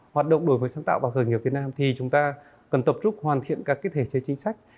hoạt động đổi mới sáng tạo và khởi nghiệp việt nam thì chúng ta cần tập trung hoàn thiện các thể chế chính sách